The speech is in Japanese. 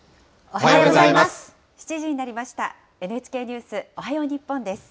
おはようございます。